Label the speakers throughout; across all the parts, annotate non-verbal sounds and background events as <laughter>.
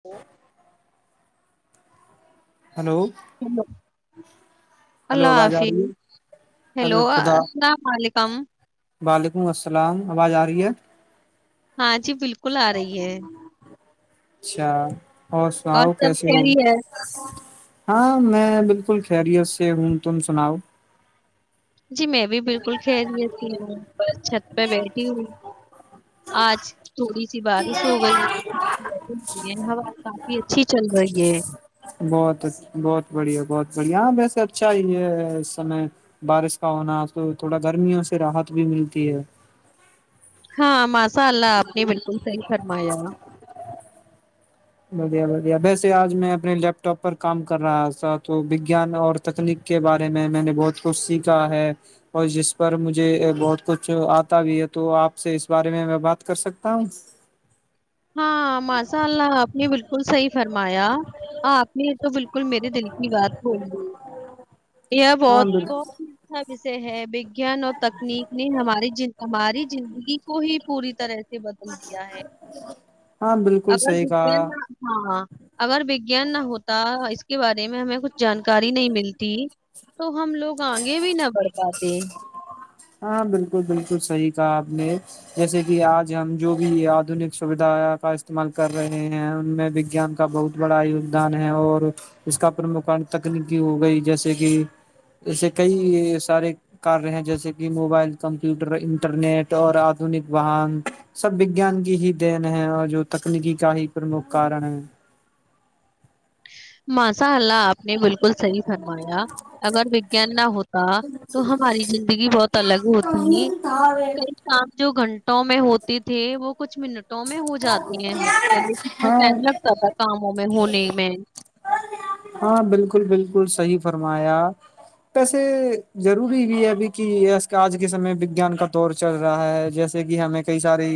Speaker 1: تو <unintelligible>
Speaker 2: ہلو
Speaker 1: لو
Speaker 2: ہلو
Speaker 1: اللہ
Speaker 2: آواز آ
Speaker 1: حافظ
Speaker 2: رہی ہے ارے
Speaker 1: ہیلو
Speaker 2: خدا
Speaker 1: السلام علیکم <unintelligible>
Speaker 2: وعلیکم السلام آواز آ رہی ہے
Speaker 1: ہاں جی بالکل آ رہی ہے
Speaker 2: اچھا <unintelligible> اور س آؤ
Speaker 1: سب
Speaker 2: کیس ہوگ
Speaker 1: خیریت
Speaker 2: <unintelligible> ہاں میں بالکل خیریت سے ہوں تم سناؤ
Speaker 1: جی میں بھی بالکل کھی رہی تھی ہوں <unintelligible> چھت پہ بیٹھی ہ <unintelligible> آج تھوڑی سی بارش ہو گئی ہوا کافی اچھی چل رہی ہے
Speaker 2: گ یہاں ویسے اچھا ہی یہ سمے بارش کا ہونا تو تھوڑا گرمیوں سے راحت بھی ملتی ہے
Speaker 1: ہاں م مساء اللہ آپ نے بالکل سحی فرمایا
Speaker 2: بدیا بدیا ویسے آج میں اپنے لیپ ٹاپ پر کام کر رہا تھا تو وگیان اور تکنیک کے بارے میں میں نے بہت کچھ سیکھا ہے اور جس پر مجھے بہت کچھ آتا بھی ہے تو آپ سے اس بارے میں میں بات کر سکتا ہوں
Speaker 1: ہاں مسال نے بالکل صحیح فرمایا آپ میں تو بالکل میرے دل کی بات بول رہ یہ
Speaker 2: ہاں
Speaker 1: بہت
Speaker 2: بالکل
Speaker 1: بہت کس سے ہے گان اور تکنیک نے ہماری ہماری زندگی کو ہی پوری طرح سے بدل دیا ہے
Speaker 2: ہاں بالکل صحیح
Speaker 1: اگران
Speaker 2: کہا
Speaker 1: نہ ہاں اگر وگان نہ ہوتا اس کے بارے میں ہمیں کچھ جانکاری نہیں ملتی تو ہم لوگ آگے بھی نہ بڑھ پاتے
Speaker 2: ہاں بالکل بالکل صحی کہا آپ نے جیسے کہ آج ہم جو بھی آدنک سویدھا کا استعمال کر رہے ہیں ان میں وگان کا بہت بڑا یگدان ہے اور اس کا پرمکھ تکنیکی ہو گئی جیسے کہ ایسے کئی سارے کاریہ ہیں جیسے کہ موبائل کمپیوٹر انٹرنیٹ اور آدنک واہن سب وگان کی ہی دین ہے اور جو تکنیکی کا ہی پرمکھ کارن ہے
Speaker 1: ماساء اللہ آپ نے بالکل صحیح فرمایا اگر وگیان نہ ہوتا تو ہماری زندگی بہت الگ ہوتی
Speaker 2: کہیں تھا
Speaker 1: کئی کام جو گھن میں ہوتی تھھی وہ کچھ منٹوں میں ہو جاتی ہیں پہلے کتنا ٹائم
Speaker 2: ہاں
Speaker 1: لگتا تھا کاموں میں ہونے میں
Speaker 2: ہاں بالکل بالکل صحیح فرمایا ویسے ضروری بھی ہے ابھی کہ آج کے سمے وگیان کا دور چل رہا ہے جیسے کہ ہمیں کئی ساری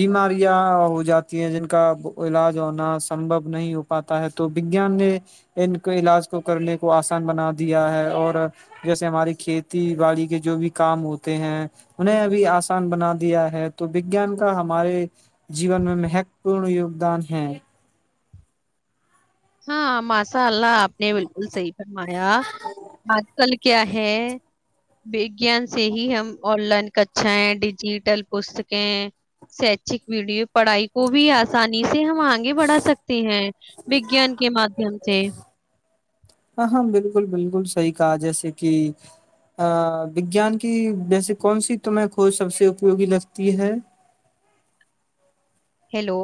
Speaker 2: بیماریاں ہو جاتی ہیں جن کا علاج ہونا سمبو نہیں ہو پاتا ہے تو جان نے ان کو علاج کو کرنے کو آسان بنا دیا ہے اور جیسے ہماری کھیتی باڑی کے جو بھی کام ہوتے ہیں انہیں ابھی آسان بنا دیا ہے تو وگیان کا ہمارے جیون میں مہتو پورن یگدان ہے
Speaker 1: ہاں م س اللہ آپ نے بالکل صحی فرمایا آج کل کیا ہے وگان سے ہی ہم آن لائن کشایں ڈیجیٹل پستکیں شیچک ویڈیو پڑھائی کو بھی آسانی سے سے ہم آگے بڑھا سکتے ہیں مادھیم سے
Speaker 2: ہاں ہاں بالکل بالکل صحیح کہا جیسے کہ وگان کی ویس کون سی تمیں کھوج سب سے اپیوگی لگتی ہے
Speaker 1: ہیلو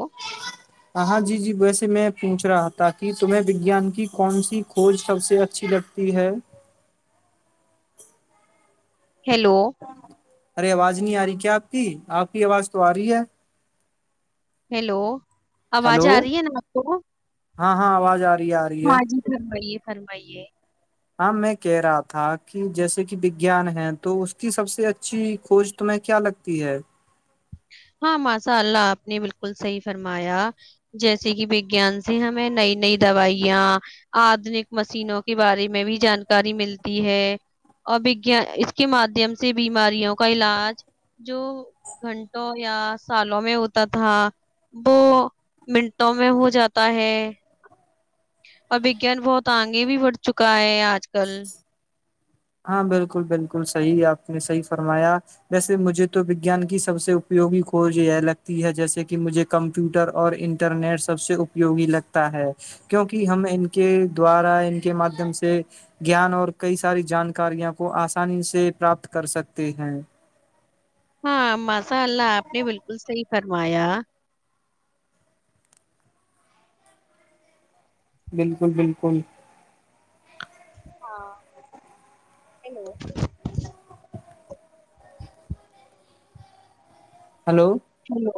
Speaker 2: ہاںاں جی جی ویسے میں پوچھ رہا تھا کہ تمہیں وگان کی کون سی کھوج سب سے اچھی لگتی ہے
Speaker 1: ہیلو
Speaker 2: ارے آواز نہیں آ رہی کیا آپ کی آپ کی آواز تو آ رہی ہے
Speaker 1: ہیلو
Speaker 2: ہلو
Speaker 1: آوازیں آ رہی ہے نا آپ کو کو
Speaker 2: ہاں ہاں آواز آ رہی ہے آ
Speaker 1: م
Speaker 2: رہی ہے
Speaker 1: جی گھر بئی ہے فرمئیے
Speaker 2: ہاں میں کہہ رہا تھا کہ جیسے کہ وگیان ہے تو اس کی سب سے اچھی کھوج تمہیں کیا لگتی ہے
Speaker 1: ہاں ماشاء اللہ آپ نے بالکل صحیح فرمایا جیسے کہ وگیان سے ہمیں نئی نئی دوائیاں آدنک مشینوں کے بارے میں بھی جانکاری ملتی ہے اورگ اس کے مادھیم سے بیماریوں کا علاج جو گھن یا سالوں میں ہوتا تھا وہ منٹوں میں ہو جاتا ہے اور وگیان بہت آگے بھی بڑھ چکا ہے آج کل
Speaker 2: ہاں بالکل بالکل صحیح آپ نے صحیح فرمایا ویسے مجھے تو وگیان کی سب سے اپیوگی کھوج یہ لگتی ہے جیسے کہ مجھے کمپیوٹر اور انٹرنیٹ سب سے اپیوگی لگتا ہے کیوںکہ ہم ان کے دوارا ان کے مادھیم سے گان اور کئی ساری جان کاریاوں کو آسانی سے پراپت کر سکتے ہیں
Speaker 1: ہاں ماساء اللہ آپ نے بالکل صحیح فرمایا
Speaker 2: بالکل بالکل
Speaker 1: ہاںلو
Speaker 2: ہلو
Speaker 1: ہیلو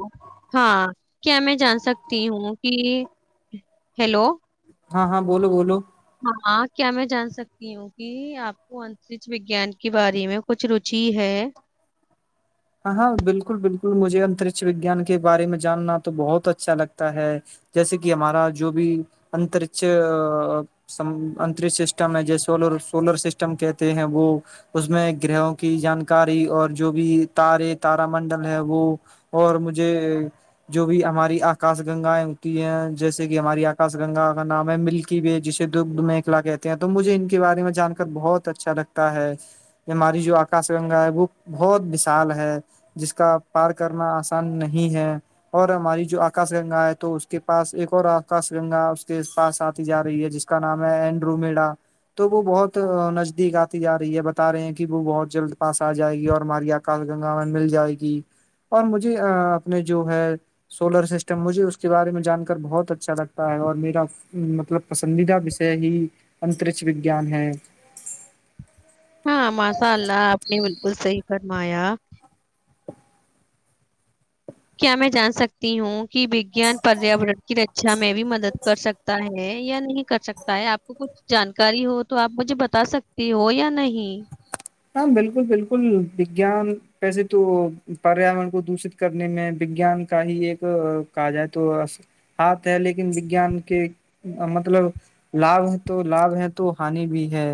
Speaker 1: ہاں کیا میں جان سکتی ہوں کہ ہیلو
Speaker 2: ہاں ہاں بولو بولو
Speaker 1: ہاں کیا میں جان سکتی ہوں کہ آپ کو انترچھ وجان کے بارے میں کچھ روچی ہے
Speaker 2: ہاں ہاں بالکل بالکل مجھے اترکھ وگیان کے بارے میں جاننا تو بہت اچھا لگتا ہے جیسے کہ ہمارا جو بھی انترکھ انترکش سسٹم ہے جس سول سولر سسٹم کہتے ہیں وہ اس میں گرہوں کی جانکاری اور جو بھی تارے تارا منڈل ہے وہ اور مجھے جو بھی ہماری آکاش گنگا ہوتی ہے جیسے کہ ہماری آکاش گنگا کا نام ہے ملکی وے جسے دگھ میںلا کہتے ہیں تو مجھے ان کے بارے میں جان کر بہت اچھا لگتا ہے یہ ہماری جو آکاش گنگا ہے وہ بہت چال ہے جس کا پار کرنا آسان نہیں ہے اور ہماری جو آکاش گنگا ہے تو اس کے پاس ایک اور آکاش گنگا اس کے پاس آتی جا رہی ہے جس کا نام ہے اینڈرو مڈا تو وہ بہت نزدیک آتی جا رہی ہے بتا رہے ہیں کہ وہ بہت جلد پاس آ جائے گی اور ہماری کاش گنگا میں مل جائے گی اور مجھے اپنے جو ہے سولر سسٹم مجھے اس کے بارے میں جان کر بہت اچھا لگتا ہے اور میرا مطلب پسندیدہ وشے ہی اترش وگان ہے
Speaker 1: ہاں ماشاء اللہ آپ نے بالکل صحیح فرمایا کیا میں جان سکتی ہوں کی وگان پریان کی رکشا میں بھی مدد کر سکتا ہے یا نہیں کر سکتا ہے آپ کو کچھ جانکاری ہو تو آپ مجھے بتا سکتی ہو یا نہیں
Speaker 2: ہاں بالکل بالکل وجان ویسے تو پریاورن کو دوشت کرنے میں وگیان کا ہی ایک کہا جائے تو ہاتھ ہے لیکن وگان کے مطلب لابھ ہے تو لابھ ہے تو ہانی بھی ہے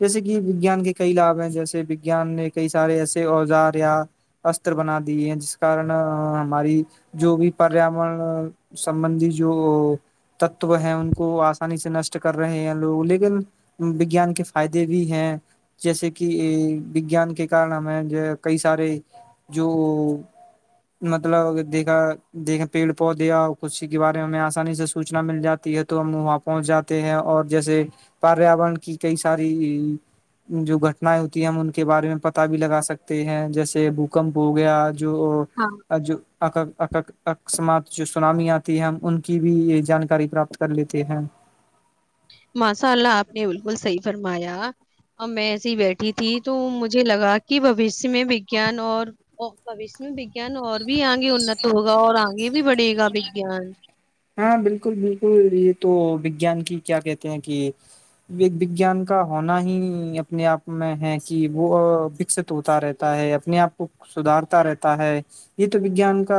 Speaker 2: جیسے کہ وجان کے کئی لابھ ہیں ج وان نے کئی سارے ایسے اوزار یا اسر بنا دیے ہیں جس کارن ہماری جو بھی پریاورن سمبندی جو تتو ہیں ان کو آسانی سے نشٹ کر رہے ہیں لوگ لیکن وگیان کے فائدے بھی ہیں جیسے کہ وجان کے کارن ہمیں کئی سارے جو مطلب دیکھا دیکھا پیڑ پودے یا کسی کے بارے میں ہمیں آسانی سے سوچنا مل جاتی ہے تو ہم وہاں پہنچ جاتے ہیں اور جیسے پریاورن کی کئی ساری جو گ ہوتی ہم ان کے بارے میں پتا بھی لگا سکتے ہیں جیسے بھوکمپ ہو گیا جو
Speaker 1: ہاں
Speaker 2: جوک ق سمات جو سناامی آتی ہے ان کی بھی یہ جانکاری پراپت کر لیتے ہیں
Speaker 1: ماشاء اللہ آپ نے بالکل صحیح فرمایا اور میں ایسے ہی بیٹھی تھی تو مجھے لگا کہ بوشیہ میں وگان اور بش میں ان اور بھی آگے انت ہوگا اور آگے بھی بڑھے گا وگیان
Speaker 2: ہاں بالکل بالکل یہ تو وجان کی کیا کہتے ہیں کہ وجان کا ہونا ہی اپنے آپ میں ہے کہ وہ وکست ہوتا رہتا ہے اپنے آپ کو سدھارتا رہتا ہے یہ تو وجان کا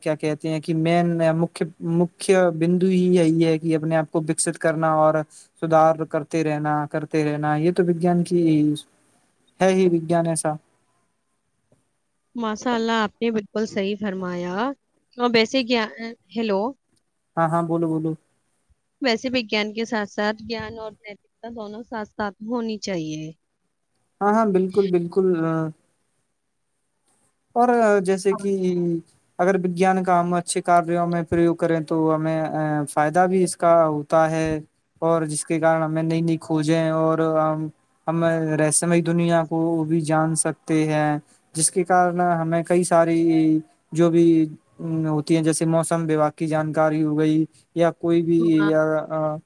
Speaker 2: کیا کہتے ہیں کہ مین مک مکھھی بندو ہی یہی ہے کہ اپنے آپ کو وکست کرنا اور سدھار کرتے رہنا کرتے رہنا یہ تو وجان کی ہے ہی وجان ایسا
Speaker 1: ماشاء اللہ آپ نے بالکل صحیح فرمایا ویسے کیا ہیلو
Speaker 2: ہاں ہاں بولو بولو
Speaker 1: ویسے وگان کے ساتھ ساتھ جان اور نیتکتا دونوں ساتھ ساتھ ہونی چاہیے
Speaker 2: ہاں ہاں بالکل بالکل ا جیسے کہ اگر وگان کا ہم اچھے کار میں پریوگ کریں تو ہمیں فائدہ بھی اس کا ہوتا ہے اور جس کے کارن ہمیں نئی نئی کھوجیں اور ہم ہم رہسم دنیا کو بھی جان سکتے ہیں جس کے ارن ہمیں کئی ساری جو بھی ہوتی ہے جیسے موسم وباگ کی جانکاری ہو گئی یا کوئی
Speaker 1: ہاں
Speaker 2: بھی ا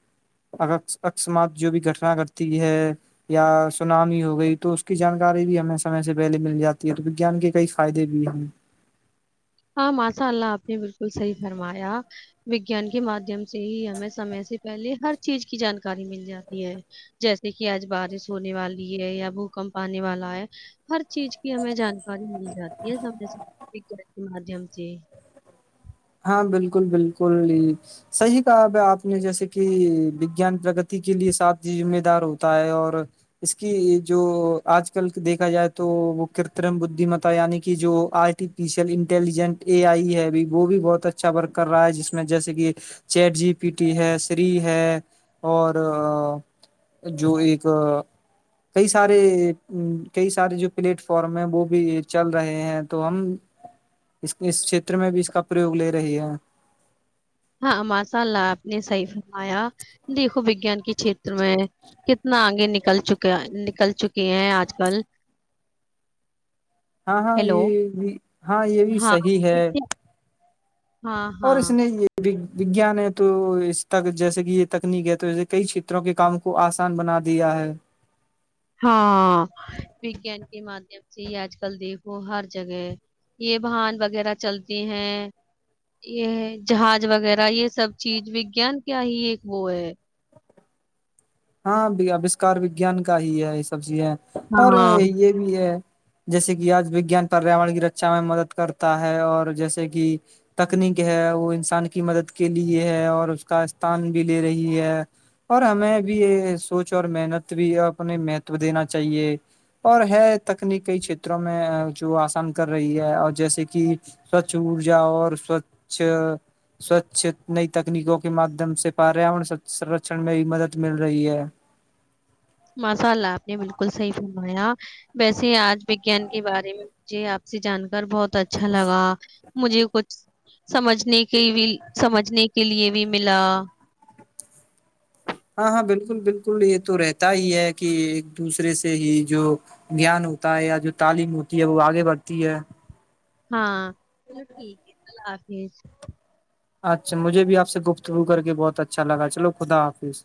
Speaker 2: اکسمات جو بھی گھٹنا کرتی ہے یا سناامی ہو گئی تو اس کی جانکاری بھی ہمیں سمے سے پہلے مل جاتی ہے وجان کے کئی فائدے بھی ہیں
Speaker 1: ہاں ماشاء اللہ آپ نے بالکل صحیح فرمایا وگیان کے مادھیم سے ہی ہمیں سمے سے پہلے ہر چیز کی جانکاری مل جاتی ہے جیسے کہ آج بارش ہونے والی ہے یا بھوکمپ آنے والا ہے ہر چیز کی ہمیں جان ساری ملی جاتی ہے سے سے ٹیک مدھیم سے
Speaker 2: ہاں بالکل بالکل صحیح کہاب آپ نے جیسے کہ وگیان پرگتی کے لیے سات ذمے دار ہوتا ہے اور اس کی جو آج کل دیکھا جائے تو وہ کرترم بددیمتا یعنی کہ جو آرٹیفیشیل انٹیلیجنٹ اے آئی ہے وہ بھی بہت اچھا ورک کر رہا ہے جس میں جیسے کہ چیٹ جی پی ٹی ہے سری ہے اور جو ایک کئی سارے کئی سارے جو پلیٹ فارم ہے وہ بھی چل رہے ہیں تو ہم اس چھیتر میں بھی اس کا پرریوگ لے رہی ہے
Speaker 1: ہاں ماشاء اللہ آپ نے صحیح فرمایا دیکھو وگان کے چھیتر میں کتنا آگے نکل چکے نکل چکے ہیں آج کل
Speaker 2: ہاں ہاں
Speaker 1: ہیلو
Speaker 2: یہ بھی ہاں یہ بھی
Speaker 1: ہاں
Speaker 2: صحی ہے
Speaker 1: ہاں
Speaker 2: اور
Speaker 1: ہاں
Speaker 2: اس نے یہ بھی وگیان ہے تو اس تک جیسے کہ یہ تکنیک ہے توسے کئی چھیتروں کے کام کو آسان بنا دیا ہے
Speaker 1: ہاں کے مادھیم سے یہ آج کل دیکھو ہر جگہ یہ واہن وغیرہ چلتے ہیں یہ جہاز وغیرہ یہ سب چیز وگان کیا ہی ایک وہ ہے
Speaker 2: ہاں آوشکار وگیان کا ہی ہے یہ سب چیزیں اور
Speaker 1: ہاں
Speaker 2: یہ بھی ہے جیسے کہ آج وگیان پریاور کی رکچا میں مدد کرتا ہے اور جیسے کہ تکنیک ہے وہ انسان کی مدد کے لیے ہے اور اس کا استان بھی لے رہی ہے اور ہمیں بھی سوچ اور محنت بھی اپنے مہتو دینا چاہیے اور ہے تکنیک کئی چھیتروں میں جو آسان کر رہی ہے اور جیسے کہ سوچھ ارجا اور سوچھ سوچھ نئی تکنیکوں کے مادھیم سے پریاورن سرچن میں بھی مدد مل رہی ہے
Speaker 1: ماساء اللہ آپ نے بالکل صحی فرمایا ویسے آج وجیان کے بارے میں مجھے آپ سے جان کر بہت اچھا لگا مجھے کچھ سمجھنے کے بھی سمجھنے کے لیے بھی ملا
Speaker 2: ہاں ہاں بالکل بالکل یہ تو رہتا ہی ہے کہ ایک دوسرے سے ہی جو گیان ہوتا ہے یا جو تعلیم ہوتی ہے وہ آگے بڑھتی ہے
Speaker 1: ہاں چلو ٹھیک ہے کل آ جیز <inaudible>
Speaker 2: اچھا مجھے بھی آپ سے گفتگو کر کے بہت اچھا لگا چلو خدا حافظ